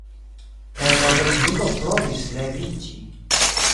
Kaj la opriĉniko provis leviĝi.